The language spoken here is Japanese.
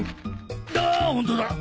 あホントだ。